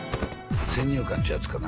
先入観ってやつかな。